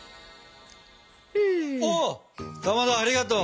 おかまどありがとう。